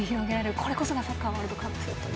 これこそがサッカーワールドカップという。